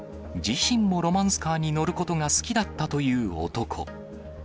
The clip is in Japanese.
自身もロマンスカーに乗ることが好きだったという男。